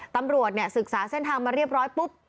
ตำรวจศึกษาเส้นทางมาเรียบร้อยปุ๊บ